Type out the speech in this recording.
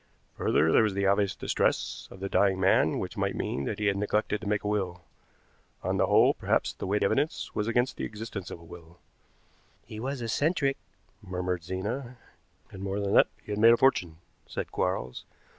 Further, there was the obvious distress of the dying man which might mean that he had neglected to make a will. On the whole, perhaps, the weight of evidence was against the existence of a will." "He was eccentric," murmured Zena. "And more than that he had made a fortune," said Quarles.